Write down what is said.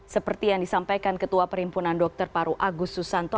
seperti yang disampaikan ketua perhimpunan dokter paru agus susanto